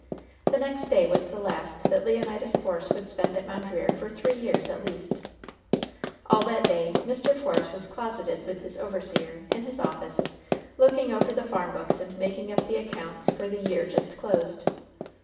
The next day was the last that Leonidas Force would spend at Mondreer for three years, at least. All that day Mr. Force was closeted with his overseer, in his office, looking over the farm books and making up the accounts for the year just closed.